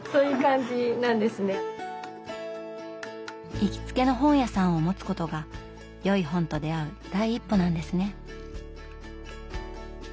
行きつけの本屋さんをもつことがよい本と出会う第一歩なんですね。